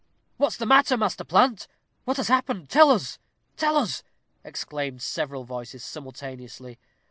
"What's the matter, Master Plant? What has happened? Tell us! Tell us!" exclaimed several voices simultaneously.